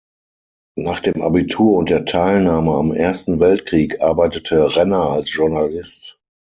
Nach dem Abitur und der Teilnahme am Ersten Weltkrieg arbeitete Renner als Journalist.